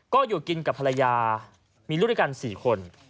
ก็อยู่กินกับภรรยามีลูกด้วยกัน๔คน